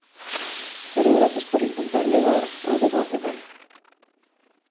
Pero grazas por intentar levar o debate ben.